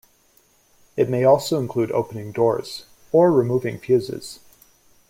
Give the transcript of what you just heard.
It may also include opening doors, or removing fuses.